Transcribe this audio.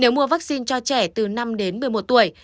nếu mua vaccine cho trẻ từ năm đến một mươi một tuổi